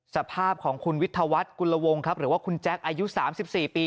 สภาพของคุณวิทยาวัสกุลวงค์ครับหรือว่าคุณแจ็คอายุสามสิบสี่ปี